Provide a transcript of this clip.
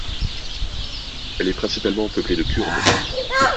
Elle est principalement peuplée de Kurdes.